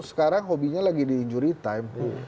sekarang hobinya lagi di injury time